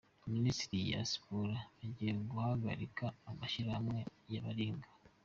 Minisiteri ya Siporo igiye guhagarika amashyirahamwe ya baringa